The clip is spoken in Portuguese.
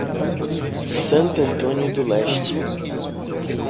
Santo Antônio do Leste